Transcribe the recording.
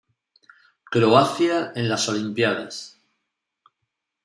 Croacia en las Olimpíadas